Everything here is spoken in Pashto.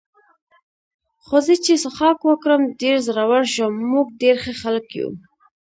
خو زه چې څښاک وکړم ډېر زړور شم، موږ ډېر ښه خلک یو.